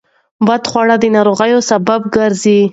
بدخواړه د ناروغیو سبب ګرځي.